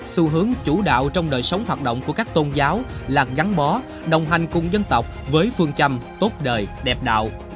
xu hướng chủ đạo trong đời sống hoạt động của các tôn giáo là gắn bó đồng hành cùng dân tộc với phương châm tốt đời đẹp đạo